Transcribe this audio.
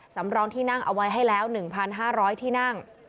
สำรองที่นั่งเอาไว้ให้แล้ว๑๕๐๐ที่นั่ง